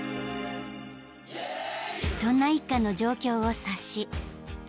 ［そんな一家の状況を察し父